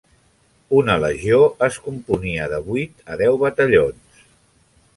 Una "legió" es componia de vuit a deu batallons